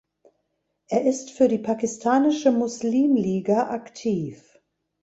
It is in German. Er ist für die Pakistanische Muslimliga aktiv.